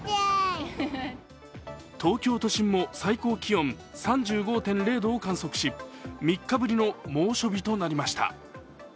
東京都心も最高気温３５．０度を観測し、３日ぶりの猛暑日となりました。